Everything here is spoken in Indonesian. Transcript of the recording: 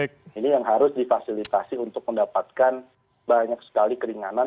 ini yang harus difasilitasi untuk mendapatkan banyak sekali keringanan